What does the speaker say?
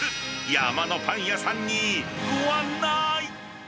山のパン屋さんにご案内。